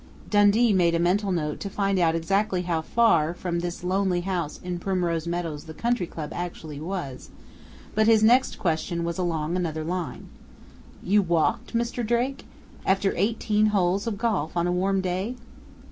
Dundee made a mental note to find out exactly how far from this lonely house in Primrose Meadows the Country Club actually was, but his next question was along another line: "You walked, Mr. Drake? after eighteen holes of golf on a warm day?"